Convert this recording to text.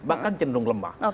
bahkan cenderung lemah